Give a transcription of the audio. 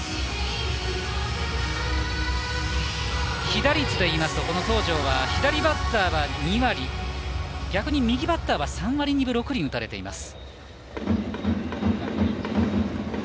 飛弾率で言いますと左バッターは２割逆に右バッターは３割２分６厘打たれています。